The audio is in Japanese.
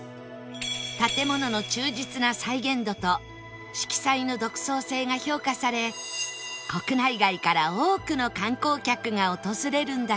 建物の忠実な再現度と色彩の独創性が評価され国内外から多くの観光客が訪れるんだそう